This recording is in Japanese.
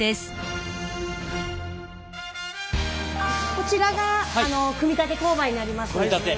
こちらがあの組み立て工場になります。